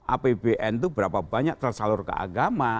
apbn itu berapa banyak tersalur ke agama